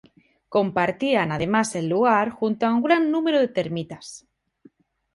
Compartían además el lugar junto a un gran número de termitas.